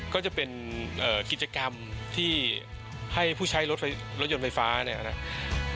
ก็จะเป็นกิจกรรมที่ให้ผู้ใช้รถยนต์ไฟฟ้าเนี่ยนะครับ